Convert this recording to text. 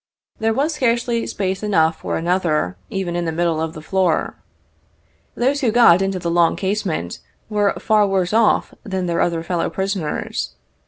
There was scarcely space enough for another, even in the middle of the floor. Those who got into the long casemate were far worse off than their other fellow prisoners.